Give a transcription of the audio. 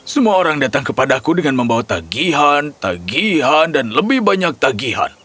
semua orang datang kepadaku dengan membawa tagihan tagihan dan lebih banyak tagihan